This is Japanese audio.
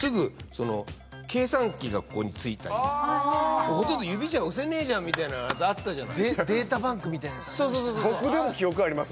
その計算機がここについたああ指じゃ押せねえじゃんみたいなやつあったじゃないデータバンクみたいな僕でも記憶あります